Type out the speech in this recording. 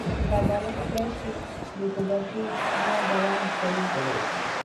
که عدالت پلی شي، بې ثباتي نه دوام کوي.